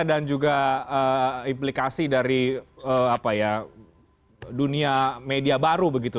dan juga implikasi dari dunia media baru begitu